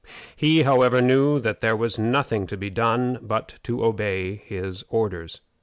He, however, knew that there was nothing to be done but to obey his orders.